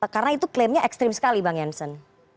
karena itu klaimnya ekstrim sekali bang jansen